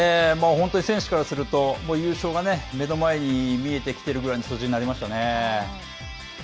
本当に選手からすると、もう優勝が目の前に見えてきているぐらいの数字になりましたね。